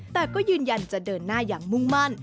แต่ก็ยืนยันจะเดินหน้าอย่างมุ่งมั่น